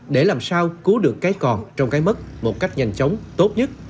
để làm sao cứu được cái còn trong cái mất một cách nhanh chóng tốt nhất